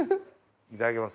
いただきます。